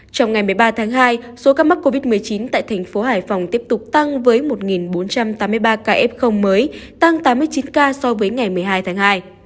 trong ngày một mươi ba tháng hai số ca mắc covid một mươi chín tại thành phố hải phòng tiếp tục tăng với một bốn trăm tám mươi ba ca f mới tăng tám mươi chín ca so với ngày một mươi hai tháng hai